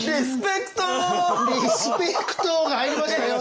「リスペクト！」が入りましたよ！